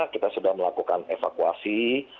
kita sudah melakukan evakuasi